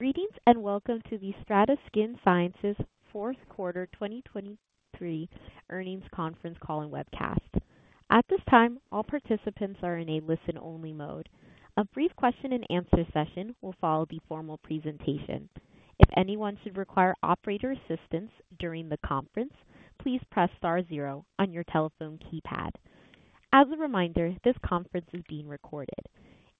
Greetings and welcome to the STRATA Skin Sciences fourth quarter 2023 earnings conference call and webcast. At this time, all participants are in a listen-only mode. A brief question-and-answer session will follow the formal presentation. If anyone should require operator assistance during the conference, please press star zero on your telephone keypad. As a reminder, this conference is being recorded.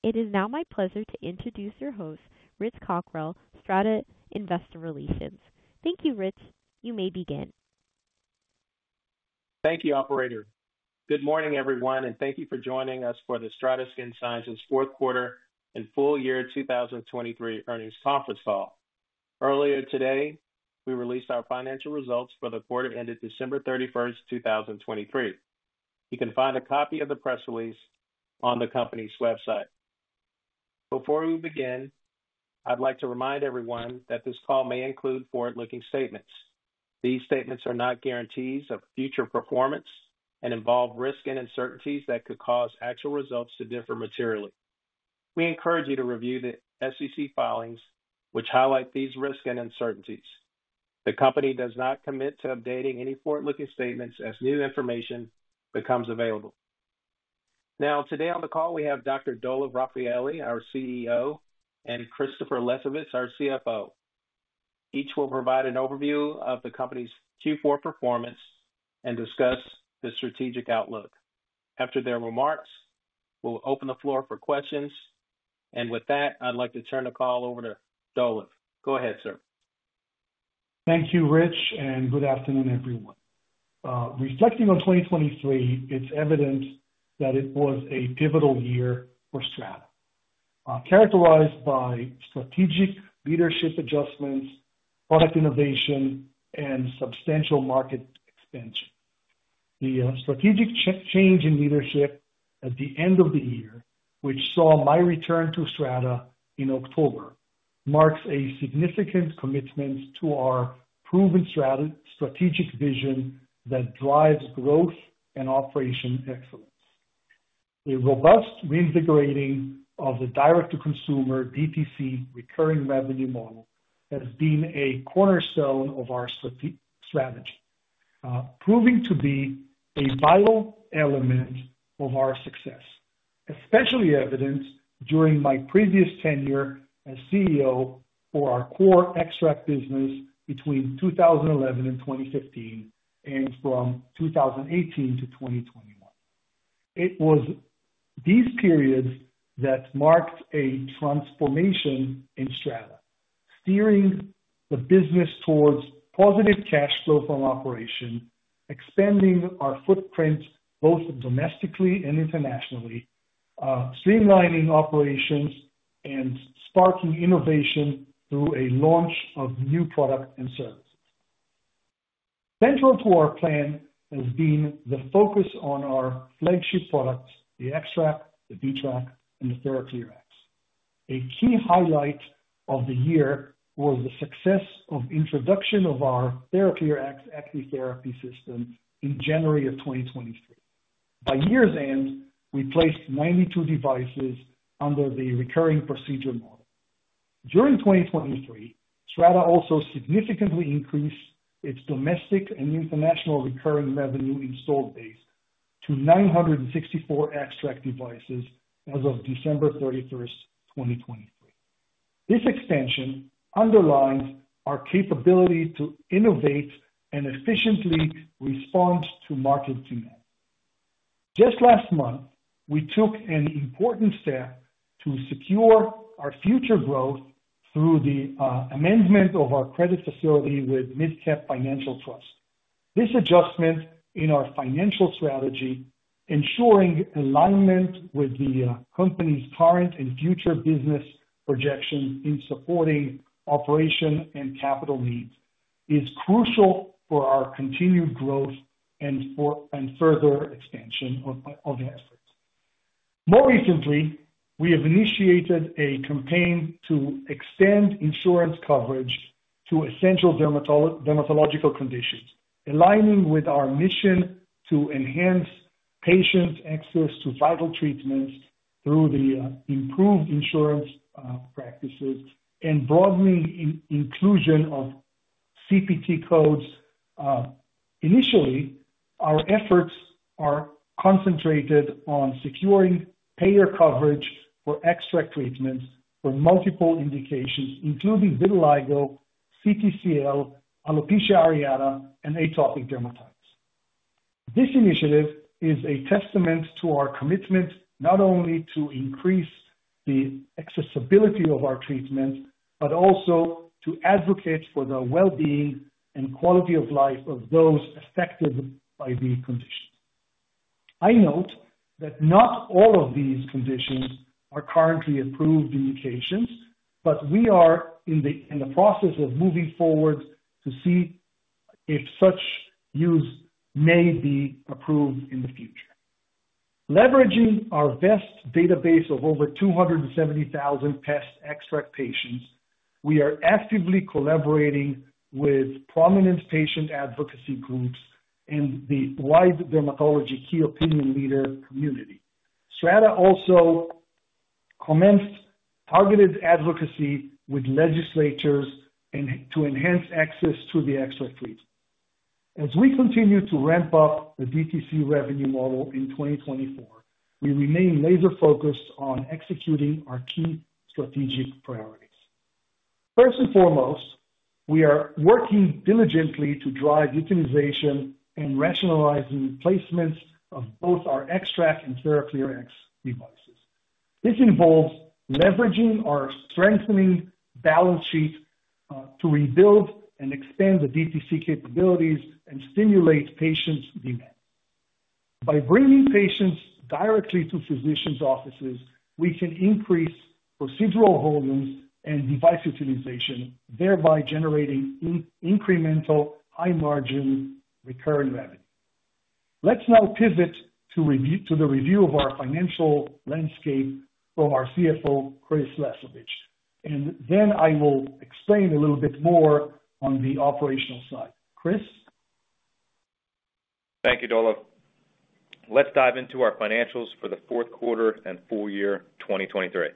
It is now my pleasure to introduce your host, Rich Cockrell, STRATA Investor Relations. Thank you, Rich. You may begin. Thank you, operator. Good morning, everyone, and thank you for joining us for the STRATA Skin Sciences fourth quarter and full year 2023 earnings conference call. Earlier today, we released our financial results for the quarter ended December 31st, 2023. You can find a copy of the press release on the company's website. Before we begin, I'd like to remind everyone that this call may include forward-looking statements. These statements are not guarantees of future performance and involve risk and uncertainties that could cause actual results to differ materially. We encourage you to review the SEC filings, which highlight these risks and uncertainties. The company does not commit to updating any forward-looking statements as new information becomes available. Now, today on the call, we have Dr. Dolev Rafaeli, our CEO, and Christopher Lesovitz, our CFO. Each will provide an overview of the company's Q4 performance and discuss the strategic outlook. After their remarks, we'll open the floor for questions. With that, I'd like to turn the call over to Dolev. Go ahead, sir. Thank you, Rich, and good afternoon, everyone. Reflecting on 2023, it's evident that it was a pivotal year for STRATA, characterized by strategic leadership adjustments, product innovation, and substantial market expansion. The strategic change in leadership at the end of the year, which saw my return to STRATA in October, marks a significant commitment to our proven strategic vision that drives growth and operation excellence. The robust reinvigorating of the direct-to-consumer DTC recurring revenue model has been a cornerstone of our strategy, proving to be a vital element of our success, especially evident during my previous tenure as CEO for our core XTRAC business between 2011 and 2015 and from 2018 to 2021. It was these periods that marked a transformation in STRATA, steering the business towards positive cash flow from operation, expanding our footprint both domestically and internationally, streamlining operations, and sparking innovation through a launch of new products and services. Central to our plan has been the focus on our flagship products, the XTRAC, the VTRAC, and the TheraClear X. A key highlight of the year was the success of introduction of our TheraClear X Active Therapy system in January of 2023. By year's end, we placed 92 devices under the recurring procedure model. During 2023, STRATA also significantly increased its domestic and international recurring revenue installed base to 964 XTRAC devices as of December 31st, 2023. This expansion underlines our capability to innovate and efficiently respond to market demand. Just last month, we took an important step to secure our future growth through the amendment of our credit facility with MidCap Financial Trust. This adjustment in our financial strategy, ensuring alignment with the company's current and future business projections in supporting operation and capital needs, is crucial for our continued growth and further expansion of efforts. More recently, we have initiated a campaign to extend insurance coverage to essential dermatological conditions, aligning with our mission to enhance patients' access to vital treatments through the improved insurance practices and broadening inclusion of CPT codes. Initially, our efforts are concentrated on securing payer coverage for XTRAC treatments for multiple indications, including vitiligo, CTCL, alopecia areata, and atopic dermatitis. This initiative is a testament to our commitment not only to increase the accessibility of our treatments but also to advocate for the well-being and quality of life of those affected by the conditions. I note that not all of these conditions are currently approved indications, but we are in the process of moving forward to see if such use may be approved in the future. Leveraging our vast database of over 270,000 XTRAC patients, we are actively collaborating with prominent patient advocacy groups and the wide dermatology key opinion leader community. STRATA also commenced targeted advocacy with legislatures to enhance access to the XTRAC treatment. As we continue to ramp up the DTC revenue model in 2024, we remain laser-focused on executing our key strategic priorities. First and foremost, we are working diligently to drive utilization and rationalize the placements of both our XTRAC and TheraClear X devices. This involves leveraging our strengthening balance sheet to rebuild and expand the DTC capabilities and stimulate patients' demand. By bringing patients directly to physicians' offices, we can increase procedural volumes and device utilization, thereby generating incremental high-margin recurring revenue. Let's now pivot to the review of our financial landscape from our CFO, Chris Lesovitz, and then I will explain a little bit more on the operational side. Chris? Thank you, Dolev. Let's dive into our financials for the fourth quarter and full year 2023.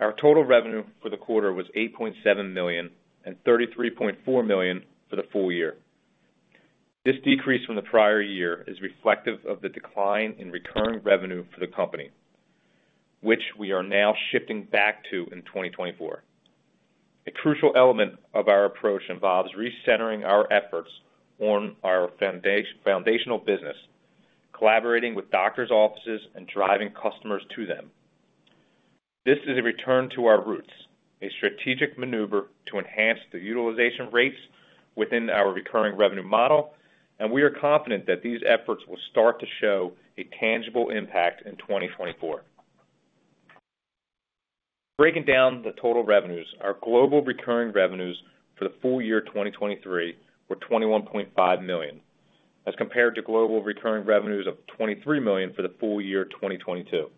Our total revenue for the quarter was $8.7 million and $33.4 million for the full year. This decrease from the prior year is reflective of the decline in recurring revenue for the company, which we are now shifting back to in 2024. A crucial element of our approach involves recentering our efforts on our foundational business, collaborating with doctors' offices, and driving customers to them. This is a return to our roots, a strategic maneuver to enhance the utilization rates within our recurring revenue model, and we are confident that these efforts will start to show a tangible impact in 2024. Breaking down the total revenues, our global recurring revenues for the full year 2023 were $21.5 million as compared to global recurring revenues of $23 million for the full year 2022.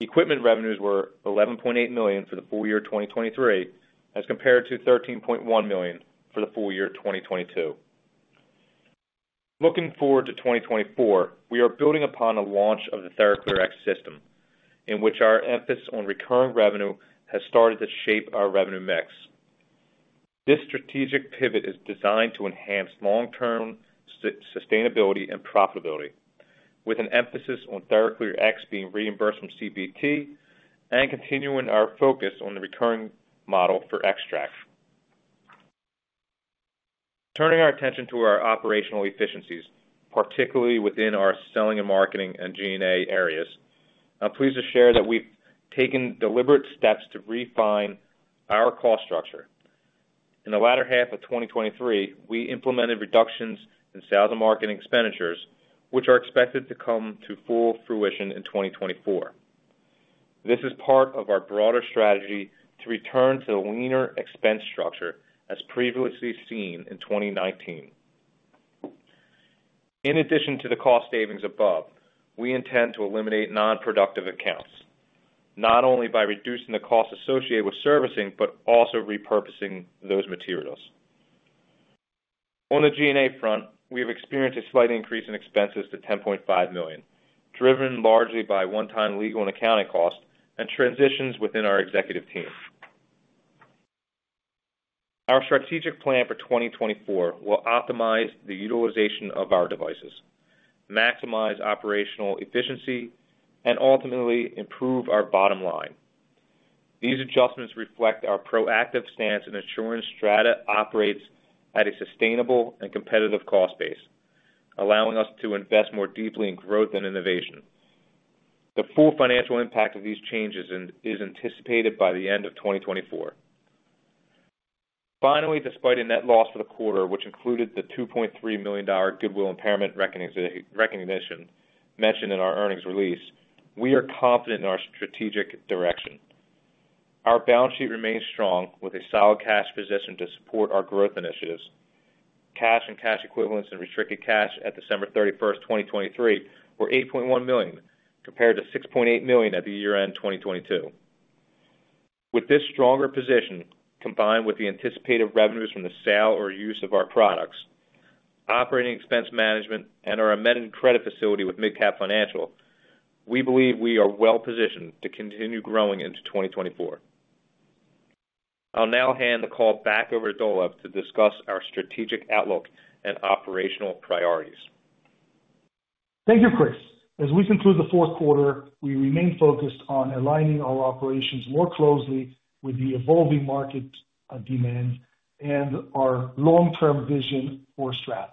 Equipment revenues were $11.8 million for the full year 2023 as compared to $13.1 million for the full year 2022. Looking forward to 2024, we are building upon the launch of the TheraClear X system, in which our emphasis on recurring revenue has started to shape our revenue mix. This strategic pivot is designed to enhance long-term sustainability and profitability, with an emphasis on TheraClear X being reimbursed from CPT and continuing our focus on the recurring model for XTRAC. Turning our attention to our operational efficiencies, particularly within our selling and marketing and G&A areas, I'm pleased to share that we've taken deliberate steps to refine our cost structure. In the latter half of 2023, we implemented reductions in sales and marketing expenditures, which are expected to come to full fruition in 2024. This is part of our broader strategy to return to a leaner expense structure as previously seen in 2019. In addition to the cost savings above, we intend to eliminate nonproductive accounts, not only by reducing the cost associated with servicing but also repurposing those materials. On the G&A front, we have experienced a slight increase in expenses to $10.5 million, driven largely by one-time legal and accounting costs and transitions within our executive team. Our strategic plan for 2024 will optimize the utilization of our devices, maximize operational efficiency, and ultimately improve our bottom line. These adjustments reflect our proactive stance in ensuring STRATA operates at a sustainable and competitive cost base, allowing us to invest more deeply in growth and innovation. The full financial impact of these changes is anticipated by the end of 2024. Finally, despite a net loss for the quarter, which included the $2.3 million goodwill impairment recognition mentioned in our earnings release, we are confident in our strategic direction. Our balance sheet remains strong, with a solid cash position to support our growth initiatives. Cash and cash equivalents and restricted cash at December 31st, 2023, were $8.1 million compared to $6.8 million at the year-end 2022. With this stronger position, combined with the anticipated revenues from the sale or use of our products, operating expense management, and our amended credit facility with MidCap Financial Trust, we believe we are well-positioned to continue growing into 2024. I'll now hand the call back over to Dolev to discuss our strategic outlook and operational priorities. Thank you, Chris. As we conclude the fourth quarter, we remain focused on aligning our operations more closely with the evolving market demands and our long-term vision for STRATA.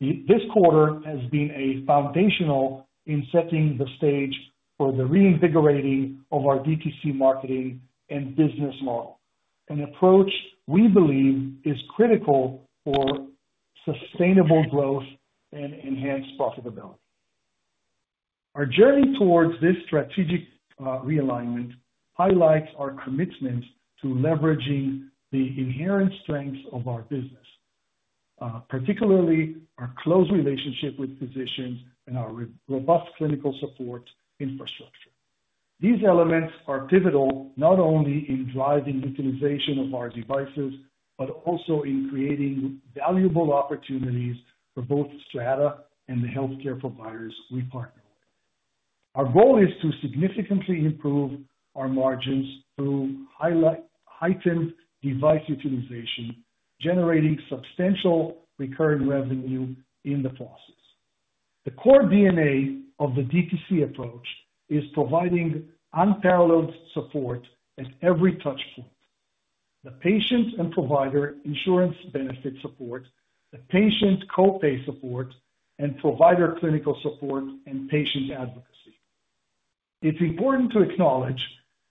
This quarter has been foundational in setting the stage for the reinvigorating of our DTC marketing and business model, an approach we believe is critical for sustainable growth and enhanced profitability. Our journey towards this strategic realignment highlights our commitment to leveraging the inherent strengths of our business, particularly our close relationship with physicians and our robust clinical support infrastructure. These elements are pivotal not only in driving utilization of our devices but also in creating valuable opportunities for both STRATA and the healthcare providers we partner with. Our goal is to significantly improve our margins through heightened device utilization, generating substantial recurring revenue in the process. The core DNA of the DTC approach is providing unparalleled support at every touchpoint: the patient and provider insurance benefit support, the patient copay support, and provider clinical support and patient advocacy. It's important to acknowledge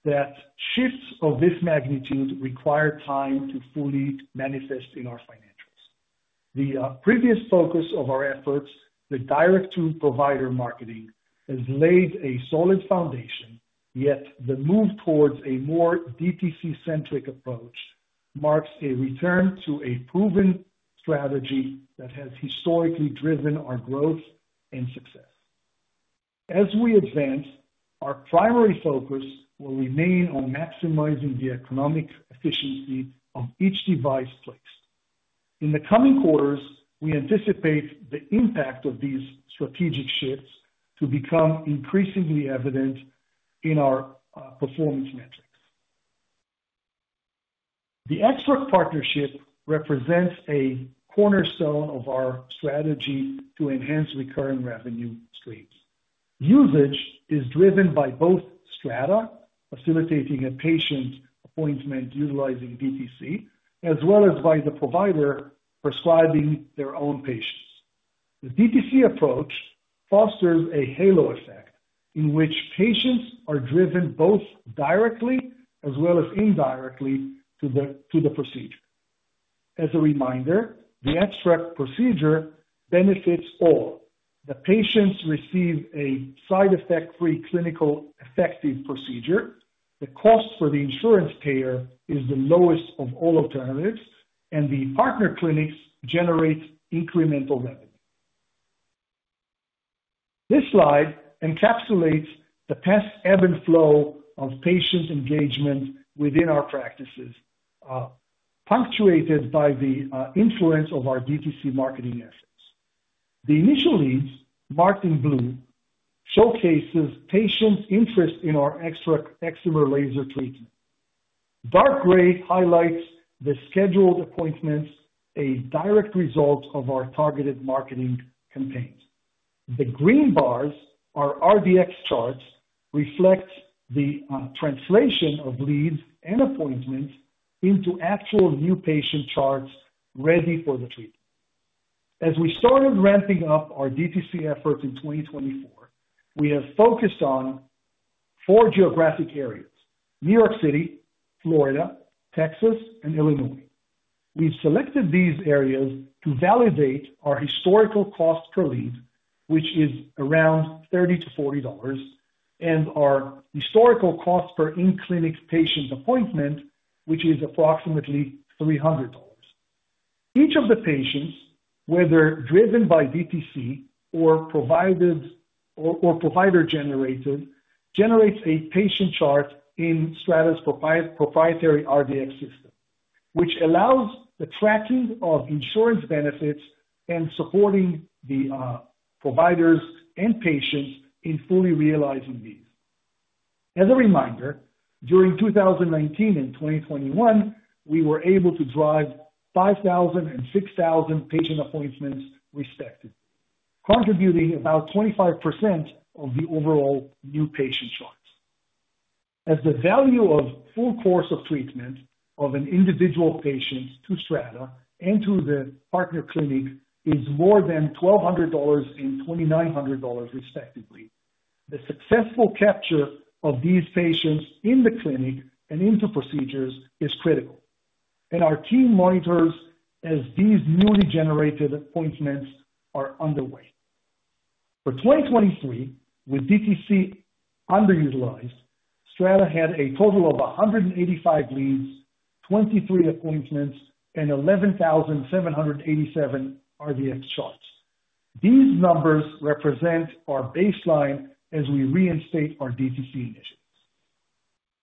that shifts of this magnitude require time to fully manifest in our financials. The previous focus of our efforts, the direct-to-provider marketing, has laid a solid foundation, yet the move towards a more DTC-centric approach marks a return to a proven strategy that has historically driven our growth and success. As we advance, our primary focus will remain on maximizing the economic efficiency of each device placed. In the coming quarters, we anticipate the impact of these strategic shifts to become increasingly evident in our performance metrics. The XTRAC partnership represents a cornerstone of our strategy to enhance recurring revenue streams. Usage is driven by both STRATA, facilitating a patient appointment utilizing DTC, as well as by the provider prescribing their own patients. The DTC approach fosters a halo effect in which patients are driven both directly as well as indirectly to the procedure. As a reminder, the XTRAC procedure benefits all. The patients receive a side effect-free clinical effective procedure. The cost for the insurance payer is the lowest of all alternatives, and the partner clinics generate incremental revenue. This slide encapsulates the past ebb and flow of patient engagement within our practices, punctuated by the influence of our DTC marketing efforts. The initial leads, marked in blue, showcase patients' interest in our XTRAC eczema laser treatment. Dark gray highlights the scheduled appointments, a direct result of our targeted marketing campaigns. The green bars, our RDX charts, reflect the translation of leads and appointments into actual new patient charts ready for the treatment. As we started ramping up our DTC efforts in 2024, we have focused on four geographic areas: New York City, Florida, Texas, and Illinois. We've selected these areas to validate our historical cost per lead, which is around $30-$40, and our historical cost per in-clinic patient appointment, which is approximately $300. Each of the patients, whether driven by DTC or provider-generated, generates a patient chart in STRATA's proprietary RDX system, which allows the tracking of insurance benefits and supporting the providers and patients in fully realizing these. As a reminder, during 2019 and 2021, we were able to drive 5,000 and 6,000 patient appointments respectively, contributing about 25% of the overall new patient charts As the value of full course of treatment of an individual patient to STRATA and to the partner clinic is more than $1,200 and $2,900 respectively, the successful capture of these patients in the clinic and into procedures is critical, and our team monitors as these newly generated appointments are underway. For 2023, with DTC underutilized, STRATA had a total of 185 leads, 23 appointments, and 11,787 RDX charts. These numbers represent our baseline as we reinstate our DTC initiatives.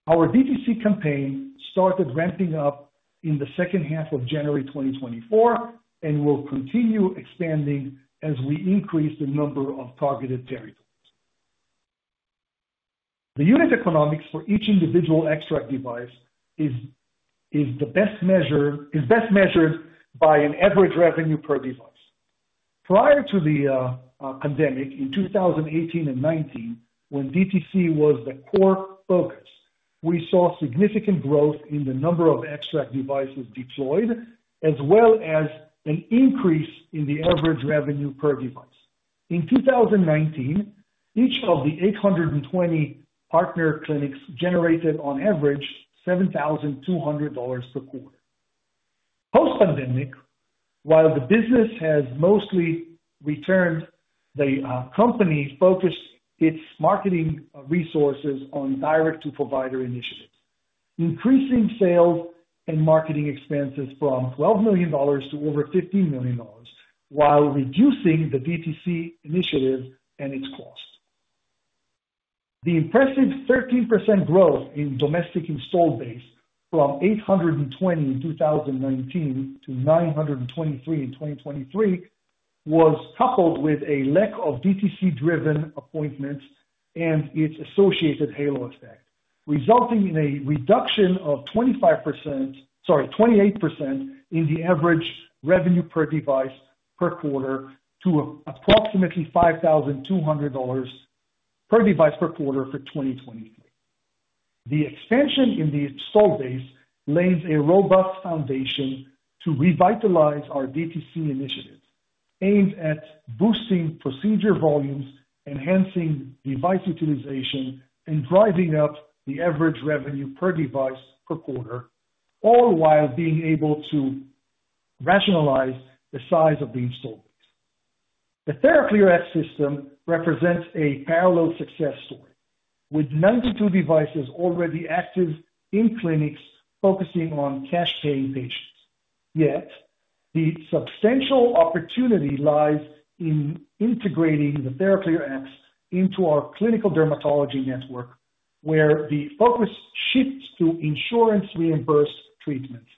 Our DTC campaign started ramping up in the second half of January 2024 and will continue expanding as we increase the number of targeted territories. The unit economics for each individual XTRAC device is best measured by an average revenue per device. Prior to the pandemic in 2018 and 2019, when DTC was the core focus, we saw significant growth in the number of XTRAC devices deployed as well as an increase in the average revenue per device. In 2019, each of the 820 partner clinics generated, on average, $7,200 per quarter. Post-pandemic, while the business has mostly returned, the company focused its marketing resources on direct-to-provider initiatives, increasing sales and marketing expenses from $12 million to over $15 million while reducing the DTC initiative and its cost. The impressive 13% growth in domestic installed base from 820 in 2019 to 923 in 2023 was coupled with a lack of DTC-driven appointments and its associated halo effect, resulting in a reduction of 25%, sorry, 28% in the average revenue per device per quarter to approximately $5,200 per device per quarter for 2023. The expansion in the installed base lays a robust foundation to revitalize our DTC initiatives, aimed at boosting procedure volumes, enhancing device utilization, and driving up the average revenue per device per quarter, all while being able to rationalize the size of the installed base. The TheraClear X system represents a parallel success story, with 92 devices already active in clinics focusing on cash-paying patients. Yet the substantial opportunity lies in integrating the TheraClear X into our clinical dermatology network, where the focus shifts to insurance-reimbursed treatments.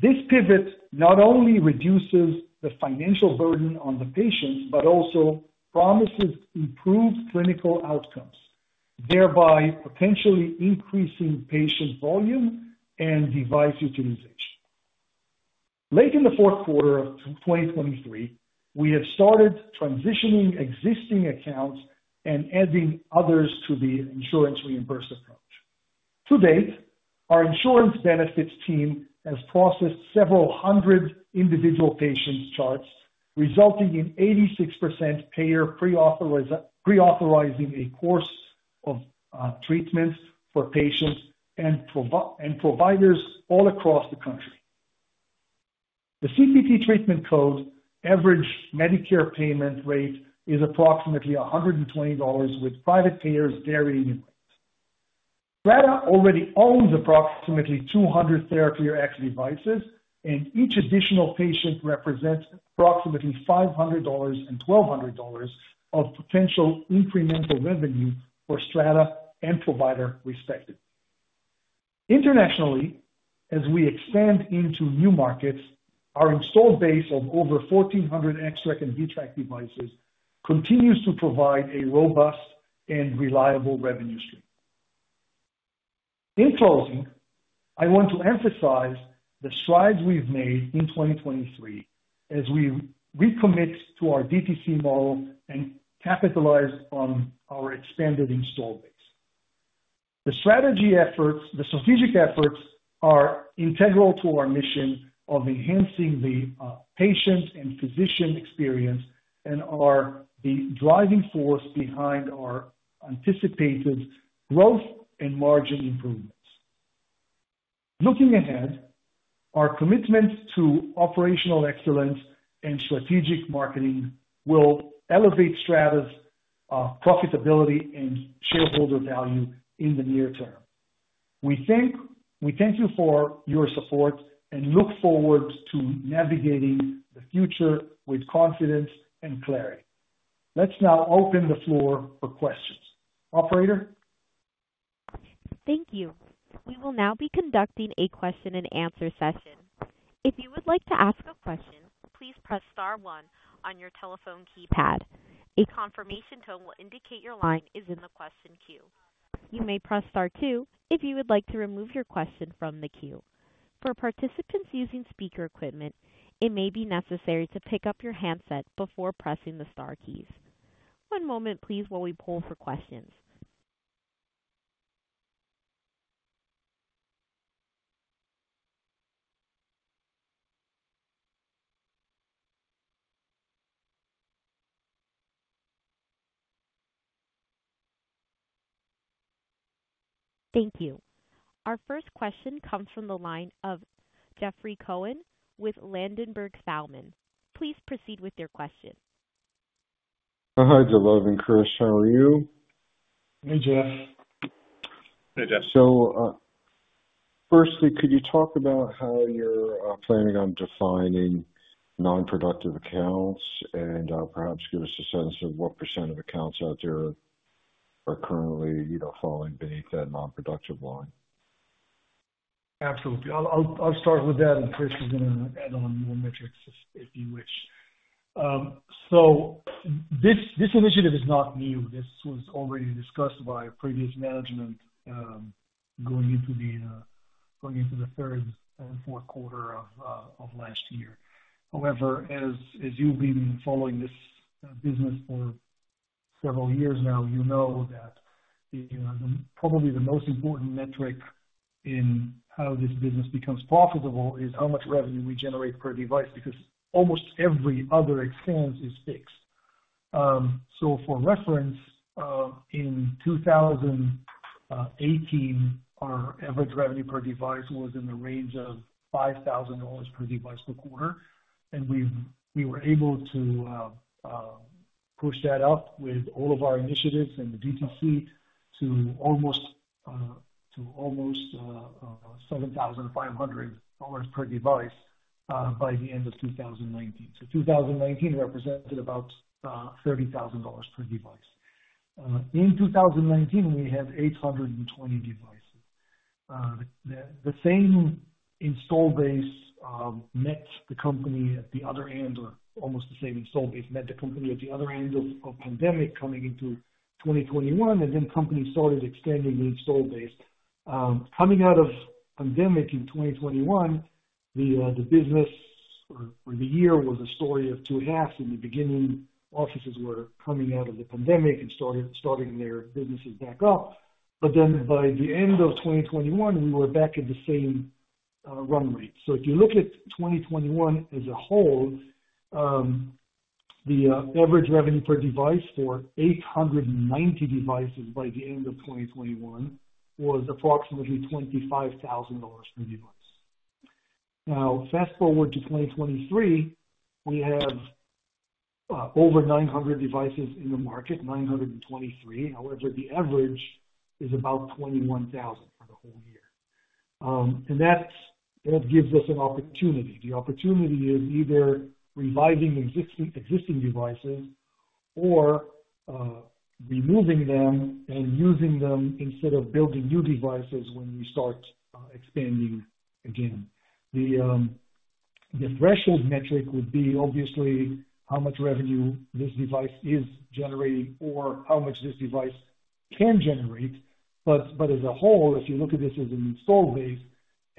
This pivot not only reduces the financial burden on the patients but also promises improved clinical outcomes, thereby potentially increasing patient volume and device utilization. Late in the fourth quarter of 2023, we have started transitioning existing accounts and adding others to the insurance-reimbursed approach. To date, our insurance benefits team has processed several hundred individual patients' charts, resulting in 86% payer pre-authorizing a course of treatments for patients and providers all across the country. The CPT treatment code average Medicare payment rate is approximately $120, with private payers varying in rates. STRATA already owns approximately 200 TheraClear X devices, and each additional patient represents approximately $500 and $1,200 of potential incremental revenue for STRATA and provider respectively. Internationally, as we expand into new markets, our installed base of over 1,400 XTRAC and VTRAC devices continues to provide a robust and reliable revenue stream. In closing, I want to emphasize the strides we've made in 2023 as we recommit to our DTC model and capitalize on our expanded installed base. The strategic efforts are integral to our mission of enhancing the patient and physician experience and are the driving force behind our anticipated growth and margin improvements. Looking ahead, our commitment to operational excellence and strategic marketing will elevate STRATA's profitability and shareholder value in the near term. We thank you for your support and look forward to navigating the future with confidence and clarity. Let's now open the floor for questions. Operator. Thank you. We will now be conducting a question-and-answer session. If you would like to ask a question, please press star one on your telephone keypad. A confirmation tone will indicate your line is in the question queue. You may press star two if you would like to remove your question from the queue. For participants using speaker equipment, it may be necessary to pick up your handset before pressing the star keys. One moment, please, while we pull for questions. Thank you. Our first question comes from the line of Jeffrey Cohen with Ladenburg Thalmann. Please proceed with your question. Hi, Dolev. Chris, how are you? Hey, Jeff. Hey, Jeff. So firstly, could you talk about how you're planning on defining nonproductive accounts and perhaps give us a sense of what % of accounts out there are currently falling beneath that nonproductive line? Absolutely. I'll start with that, and Chris is going to add on more metrics if you wish. This initiative is not new. This was already discussed by previous management going into the third and fourth quarter of last year. However, as you've been following this business for several years now, you know that probably the most important metric in how this business becomes profitable is how much revenue we generate per device because almost every other expense is fixed. For reference, in 2018, our average revenue per device was in the range of $5,000 per device per quarter, and we were able to push that up with all of our initiatives and the DTC to almost $7,500 per device by the end of 2019. 2019 represented about $30,000 per device. In 2019, we had 820 devices. The same installed base met the company at the other end or almost the same installed base met the company at the other end of pandemic coming into 2021, and then companies started extending the installed base. Coming out of pandemic in 2021, the business or the year was a story of two halves. In the beginning, offices were coming out of the pandemic and starting their businesses back up, but then by the end of 2021, we were back at the same run rate. So if you look at 2021 as a whole, the average revenue per device for 890 devices by the end of 2021 was approximately $25,000 per device. Now, fast forward to 2023, we have over 900 devices in the market, 923. However, the average is about $21,000 for the whole year, and that gives us an opportunity. The opportunity is either reviving existing devices or removing them and using them instead of building new devices when we start expanding again. The threshold metric would be, obviously, how much revenue this device is generating or how much this device can generate. But as a whole, if you look at this as an installed base,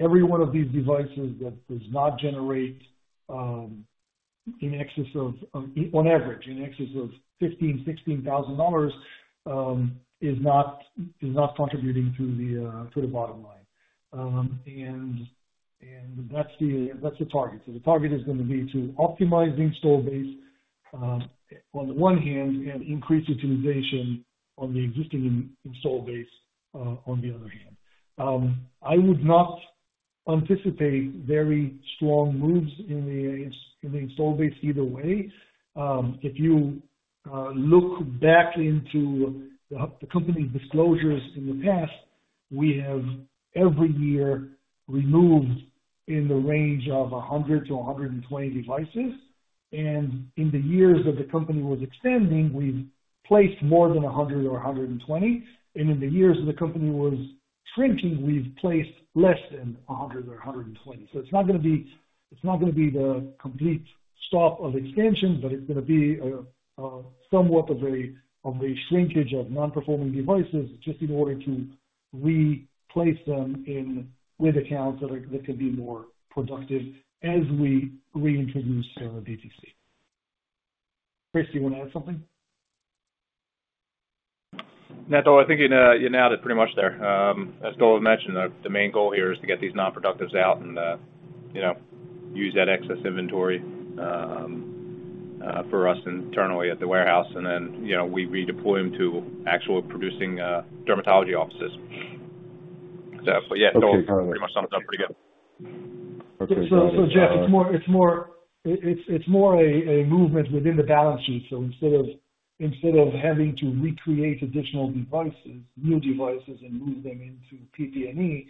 every one of these devices that does not generate in excess of on average, in excess of $15,000-$16,000 is not contributing to the bottom line, and that's the target. So the target is going to be to optimize the installed base on the one hand and increase utilization on the existing installed base on the other hand. I would not anticipate very strong moves in the installed base either way. If you look back into the company's disclosures in the past, we have every year removed in the range of 100-120 devices, and in the years that the company was extending, we've placed more than 100 or 120, and in the years that the company was shrinking, we've placed less than 100 or 120. So it's not going to be it's not going to be the complete stop of extension, but it's going to be somewhat of a shrinkage of non-performing devices just in order to replace them with accounts that can be more productive as we reintroduce DTC. Chris, do you want to add something? No, Dolev, I think you nailed it pretty much there. As Dolev mentioned, the main goal here is to get these non-productives out and use that excess inventory for us internally at the warehouse, and then we redeploy them to actual producing dermatology offices. So yeah, that pretty much sums up pretty good. Okay. So Jeff, it's more a movement within the balance sheet. Instead of having to recreate additional devices, new devices, and move them into PP&E,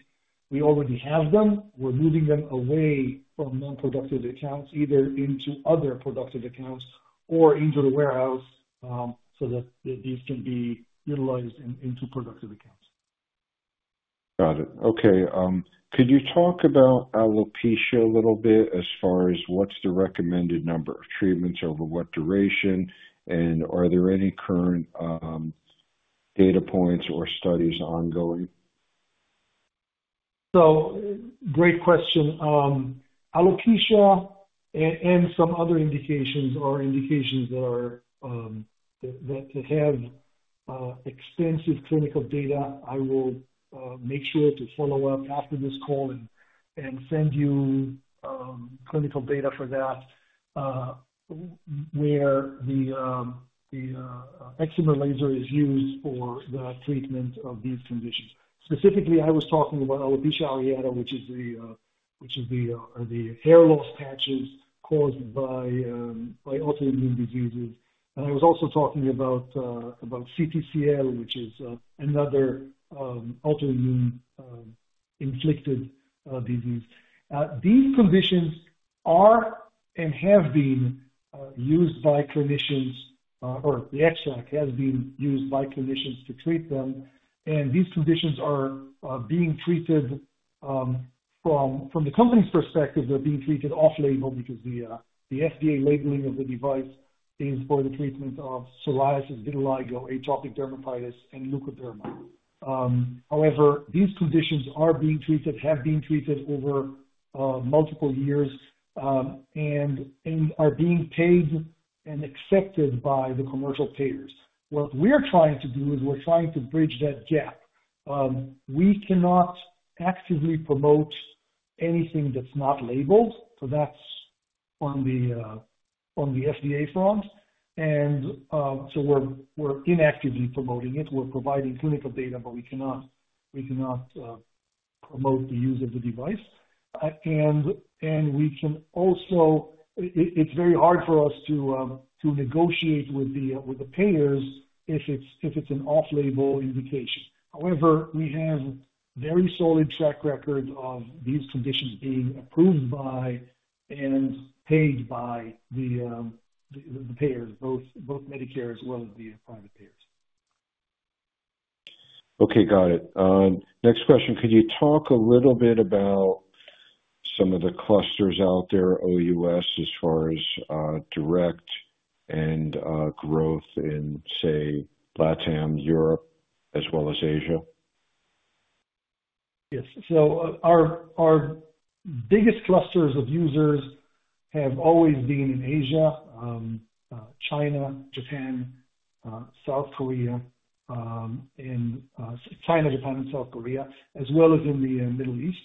we already have them. We're moving them away from non-productive accounts either into other productive accounts or into the warehouse so that these can be utilized into productive accounts. Got it. Okay. Could you talk about Alopecia a little bit as far as what's the recommended number of treatments over what duration, and are there any current data points or studies ongoing? So great question. Alopecia and some other indications or indications that have extensive clinical data, I will make sure to follow up after this call and send you clinical data for that where the eczema laser is used for the treatment of these conditions. Specifically, I was talking about alopecia areata, which is the hair loss patches caused by autoimmune diseases, and I was also talking about CTCL, which is another autoimmune inflicted disease. These conditions are and have been used by clinicians or the XTRAC has been used by clinicians to treat them, and these conditions are being treated from the company's perspective. They're being treated off-label because the FDA labeling of the device is for the treatment of psoriasis, vitiligo, atopic dermatitis, and leukoderma. However, these conditions are being treated, have been treated over multiple years, and are being paid and accepted by the commercial payers. What we're trying to do is we're trying to bridge that gap. We cannot actively promote anything that's not labeled, so that's on the FDA front. And so we're inactively promoting it. We're providing clinical data, but we cannot promote the use of the device. And we can also. It's very hard for us to negotiate with the payers if it's an off-label indication. However, we have very solid track records of these conditions being approved by and paid by the payers, both Medicare as well as the private payers. Okay. Got it. Next question. Could you talk a little bit about some of the clusters out there, OUS, as far as direct and growth in, say, LATAM, Europe as well as Asia? Yes. So our biggest clusters of users have always been in Asia, China, Japan, South Korea in China, Japan, and South Korea, as well as in the Middle East.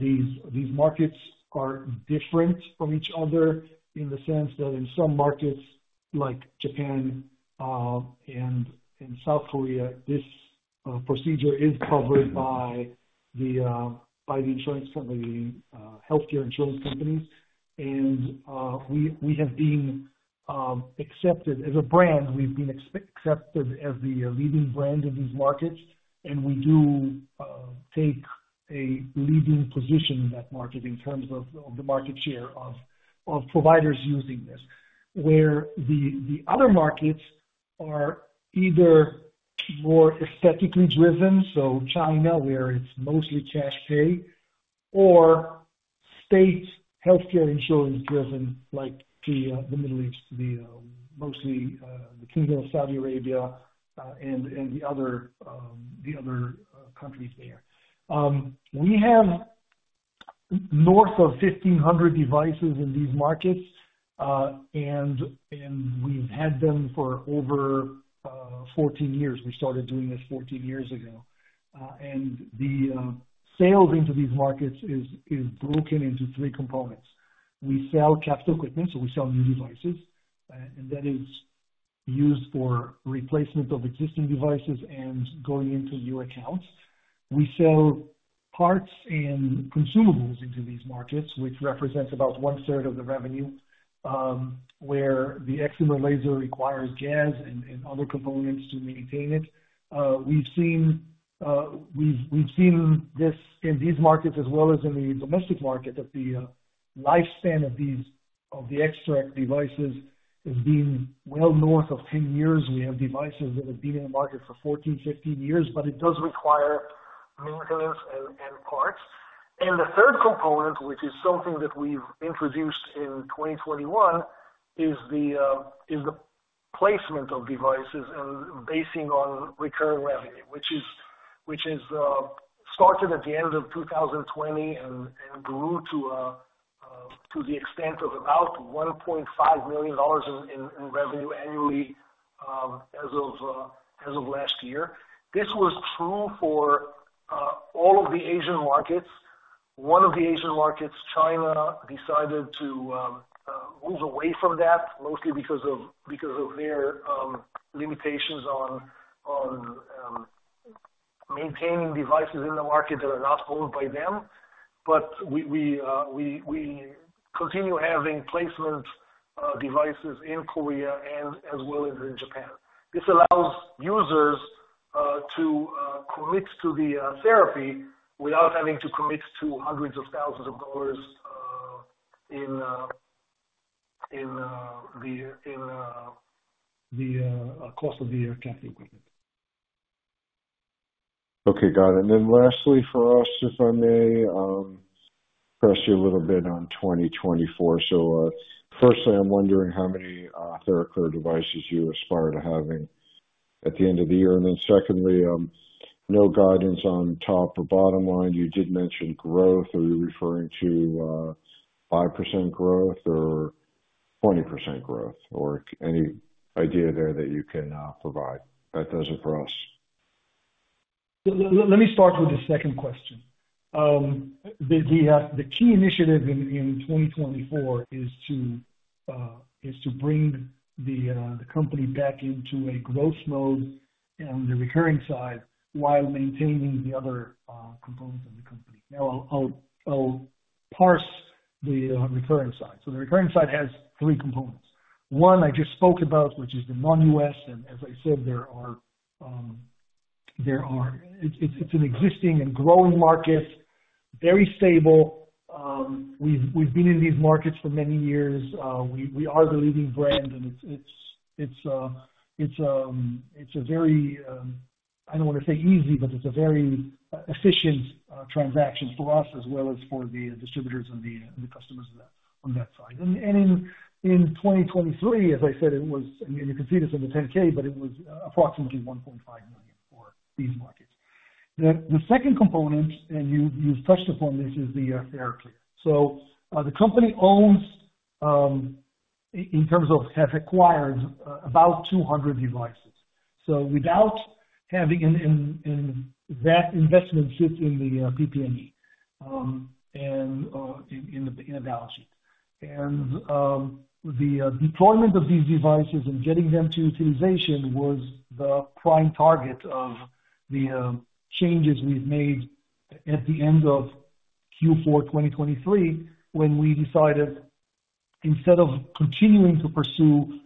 These markets are different from each other in the sense that in some markets like Japan and in South Korea, this procedure is covered by the insurance company, the healthcare insurance companies, and we have been accepted as a brand. We've been accepted as the leading brand in these markets, and we do take a leading position in that market in terms of the market share of providers using this, where the other markets are either more aesthetically driven, so China where it's mostly cash pay, or state healthcare insurance driven like the Middle East, mostly the Kingdom of Saudi Arabia and the other countries there. We have north of 1,500 devices in these markets, and we've had them for over 14 years. We started doing this 14 years ago, and the sales into these markets is broken into three components. We sell captive equipment, so we sell new devices, and that is used for replacement of existing devices and going into new accounts. We sell parts and consumables into these markets, which represents about one-third of the revenue, where the eczema laser requires gas and other components to maintain it. We've seen this in these markets as well as in the domestic market that the lifespan of the XTRAC devices is being well north of 10 years. We have devices that have been in the market for 14, 15 years, but it does require maintenance and parts. The third component, which is something that we've introduced in 2021, is the placement of devices and basing on recurring revenue, which has started at the end of 2020 and grew to the extent of about $1.5 million in revenue annually as of last year. This was true for all of the Asian markets. One of the Asian markets, China, decided to move away from that mostly because of their limitations on maintaining devices in the market that are not owned by them, but we continue having placement devices in Korea as well as in Japan. This allows users to commit to the therapy without having to commit to hundreds of thousands of dollars in the cost of the captive equipment. Okay. Got it. And then lastly for us, if I may press you a little bit on 2024. So firstly, I'm wondering how many TheraClear devices you aspire to having at the end of the year. And then secondly, no guidance on top or bottom line. You did mention growth. Are you referring to 5% growth or 20% growth or any idea there that you can provide that does it for us? Let me start with the second question. The key initiative in 2024 is to bring the company back into a growth mode on the recurring side while maintaining the other components of the company. Now, I'll parse the recurring side. So the recurring side has three components. One, I just spoke about, which is the non-US. And as I said, there, it's an existing and growing market, very stable. We've been in these markets for many years. We are the leading brand, and it's a very I don't want to say easy, but it's a very efficient transaction for us as well as for the distributors and the customers on that side. And in 2023, as I said, it was, and you can see this in the 10-K, but it was approximately $1.5 million for these markets. The second component, and you've touched upon this, is the TheraClear. So the company owns, in terms of has acquired, about 200 devices. So without having and that investment sits in the PP&E and in the balance sheet. The deployment of these devices and getting them to utilization was the prime target of the changes we've made at the end of Q4 2023 when we decided instead of continuing to pursue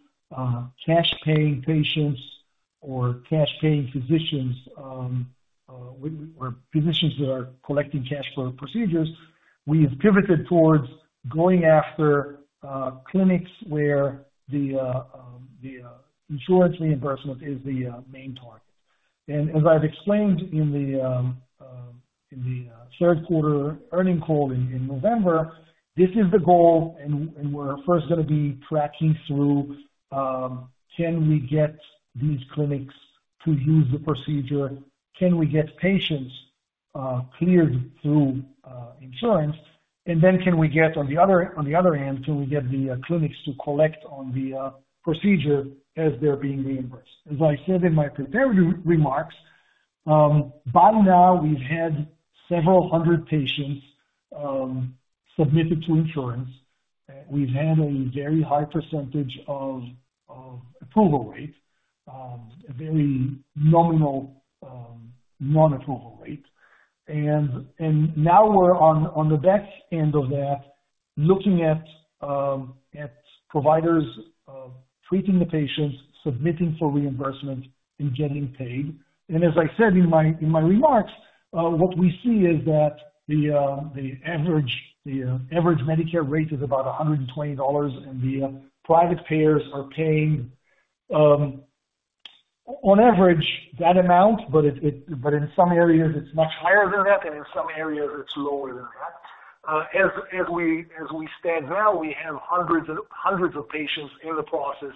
cash-paying patients or cash-paying physicians or physicians that are collecting cash for procedures, we have pivoted towards going after clinics where the insurance reimbursement is the main target. As I've explained in the third-quarter earnings call in November, this is the goal, and we're first going to be tracking through, can we get these clinics to use the procedure? Can we get patients cleared through insurance? Then, can we get on the other end? Can we get the clinics to collect on the procedure as they're being reimbursed? As I said in my preparatory remarks, by now, we've had several hundred patients submitted to insurance. We've had a very high percentage of approval rate, a very nominal non-approval rate. Now we're on the back end of that looking at providers treating the patients, submitting for reimbursement, and getting paid. As I said in my remarks, what we see is that the average Medicare rate is about $120, and the private payers are paying, on average, that amount, but in some areas, it's much higher than that, and in some areas, it's lower than that. As we stand now, we have hundreds of patients in the process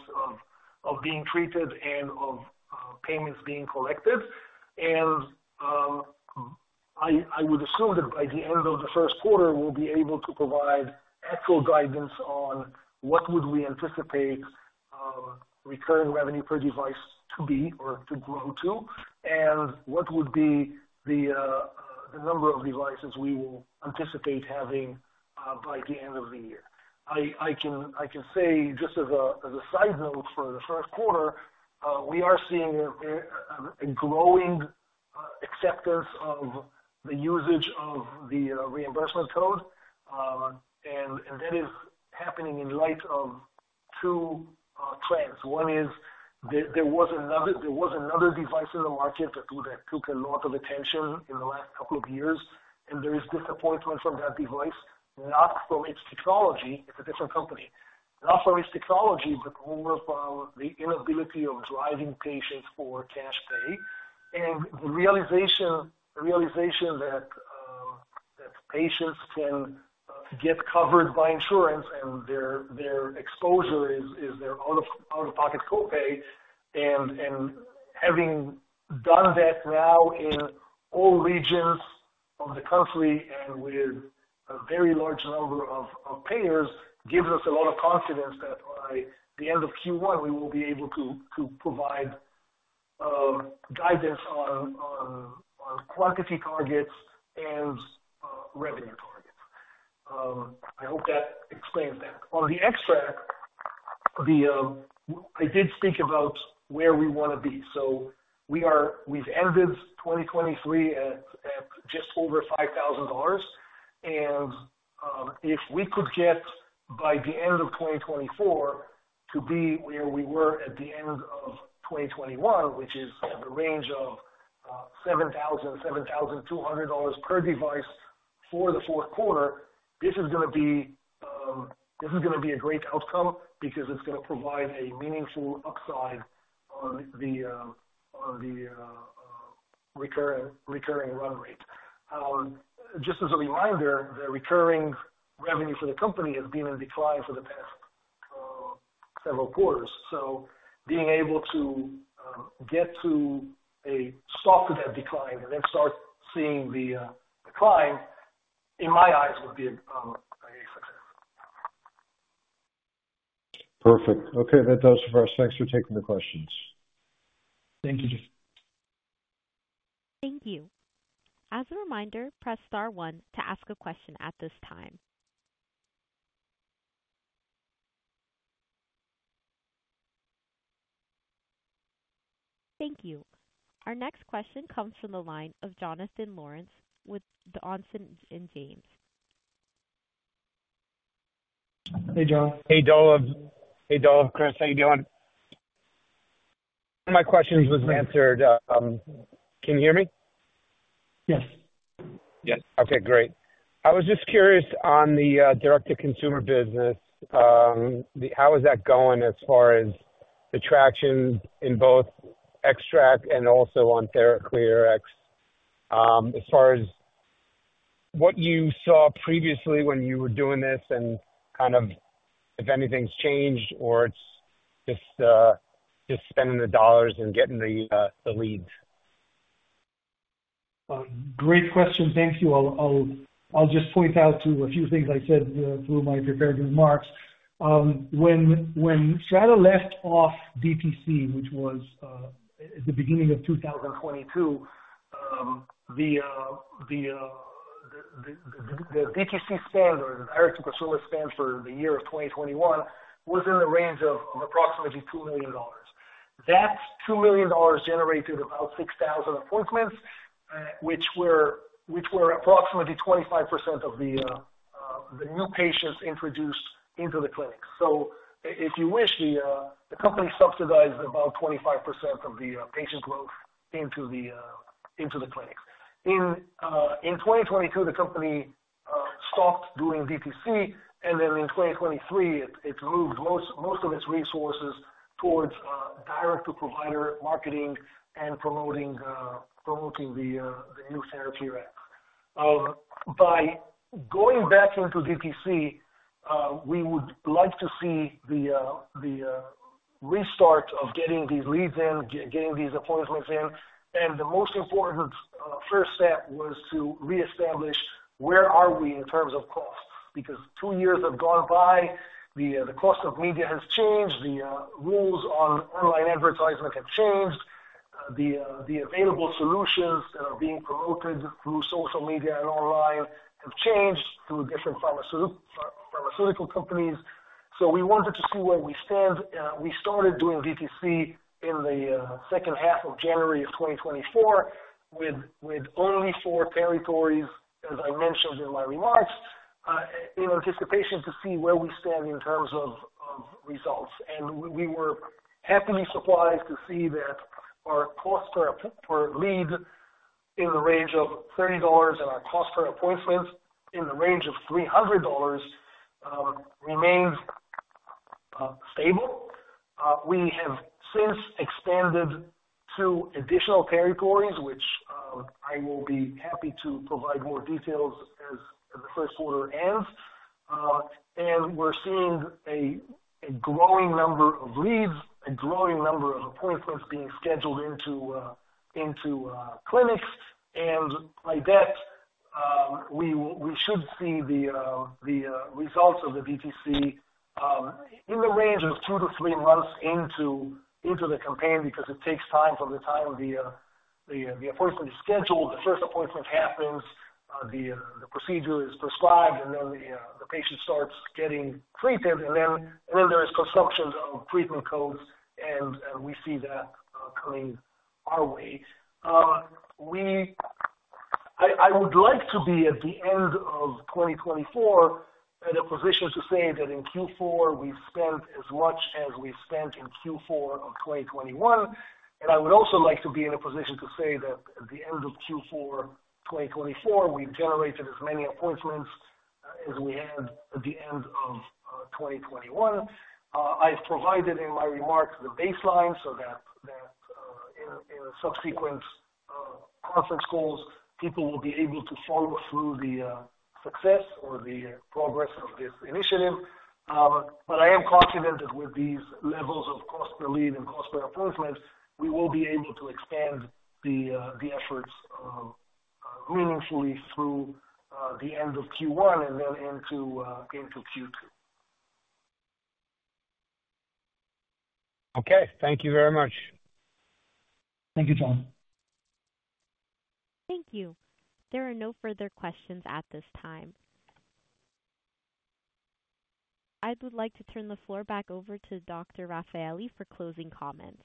of being treated and of payments being collected. I would assume that by the end of the first quarter, we'll be able to provide actual guidance on what would we anticipate recurring revenue per device to be or to grow to and what would be the number of devices we will anticipate having by the end of the year. I can say just as a side note for the first quarter, we are seeing a growing acceptance of the usage of the reimbursement code, and that is happening in light of two trends. One is there was another device in the market that took a lot of attention in the last couple of years, and there is disappointment from that device, not from its technology—it's a different company—not from its technology, but more from the inability of driving patients for cash pay and the realization that patients can get covered by insurance and their exposure is their out-of-pocket copay. Having done that now in all regions of the country and with a very large number of payers gives us a lot of confidence that by the end of Q1, we will be able to provide guidance on quantity targets and revenue targets. I hope that explains that. On the XTRAC, I did speak about where we want to be. So we've ended 2023 at just over $5,000, and if we could get by the end of 2024 to be where we were at the end of 2021, which is the range of $7,000-$7,200 per device for the fourth quarter, this is going to be a great outcome because it's going to provide a meaningful upside on the recurring run rate. Just as a reminder, the recurring revenue for the company has been in decline for the past several quarters. So being able to get to a stop to that decline and then start seeing the decline, in my eyes, would be a success. Perfect. Okay. That does it for us. Thanks for taking the questions. Thank you, Jeff. Thank you. As a reminder, press star one to ask a question at this time. Thank you. Our next question comes from the line of Jonathan Lawrence with Dawson James. Hey, Jon. Hey, Dolev. Chris, how you doing? One of my questions was answered. Can you hear me? Yes. Yes. Okay. Great. I was just curious on the direct-to-consumer business. How is that going as far as the traction in both XTRAC and also on TheraClear X? As far as what you saw previously when you were doing this and kind of if anything's changed or it's just spending the dollars and getting the leads. Great question. Thank you. I'll just point out to a few things I said through my preparatory remarks. When STRATA left off DTC, which was at the beginning of 2022, the DTC spend or the direct-to-consumer spend for the year of 2021 was in the range of approximately $2 million. That $2 million generated about 6,000 appointments, which were approximately 25% of the new patients introduced into the clinics. So if you wish, the company subsidized about 25% of the patient growth into the clinics. In 2022, the company stopped doing DTC, and then in 2023, it moved most of its resources towards direct-to-provider marketing and promoting the new TheraClear X. By going back into DTC, we would like to see the restart of getting these leads in, getting these appointments in. The most important first step was to reestablish where are we in terms of cost because two years have gone by. The cost of media has changed. The rules on online advertisement have changed. The available solutions that are being promoted through social media and online have changed through different pharmaceutical companies. We wanted to see where we stand. We started doing DTC in the second half of January of 2024 with only four territories, as I mentioned in my remarks, in anticipation to see where we stand in terms of results. We were happily surprised to see that our cost per lead in the range of $30 and our cost per appointment in the range of $300 remained stable. We have since expanded to additional territories, which I will be happy to provide more details as the first quarter ends. We're seeing a growing number of leads, a growing number of appointments being scheduled into clinics. By that, we should see the results of the DTC in the range of 2-3 months into the campaign because it takes time from the time the appointment is scheduled. The first appointment happens, the procedure is prescribed, and then the patient starts getting treated. Then there is consumption of treatment codes, and we see that coming our way. I would like to be at the end of 2024 at a position to say that in Q4, we've spent as much as we spent in Q4 of 2021. I would also like to be in a position to say that at the end of Q4 2024, we've generated as many appointments as we had at the end of 2021. I've provided in my remarks the baseline so that in subsequent conference calls, people will be able to follow through the success or the progress of this initiative. But I am confident that with these levels of cost per lead and cost per appointment, we will be able to expand the efforts meaningfully through the end of Q1 and then into Q2. Okay. Thank you very much. Thank you, Jon. Thank you. There are no further questions at this time. I would like to turn the floor back over to Dr. Rafaeli for closing comments.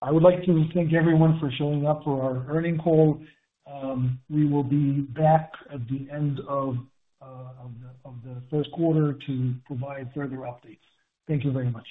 I would like to thank everyone for showing up for our earnings call. We will be back at the end of the first quarter to provide further updates. Thank you very much.